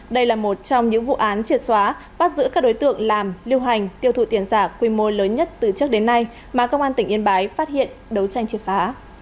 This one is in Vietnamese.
đây là một trong những vụ án triệt xóa bắt giữ các đối tượng làm lưu hành tiêu thụ tiền giả quy mô lớn nhất từ trước đến nay mà công an tỉnh yên bái phát hiện đấu tranh triệt phá